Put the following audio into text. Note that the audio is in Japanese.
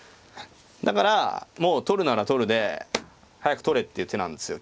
だからもう取るなら取るで早く取れっていう手なんですよ。